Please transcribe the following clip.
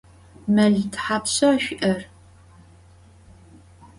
Mel thapşşa şsui'er?